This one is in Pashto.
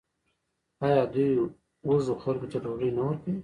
آیا دوی وږو خلکو ته ډوډۍ نه ورکوي؟